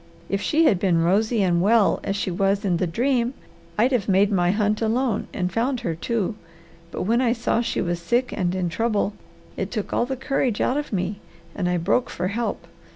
If she had been rosy and well as she was in the dream, I'd have made my hunt alone and found her, too. But when I saw she was sick and in trouble, it took all the courage out of me, and I broke for help.